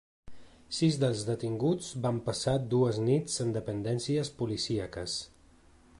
Sis dels detinguts van passar dues nits en dependències policíaques.